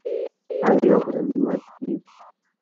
High oh, ধন্যবাদ, ভিক।